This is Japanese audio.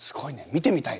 見てみたい！